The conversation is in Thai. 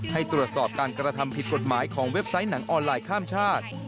ให้ตรวจสอบการกระทำผิดกฎหมายของเว็บไซต์หนังออนไลน์ข้ามชาติ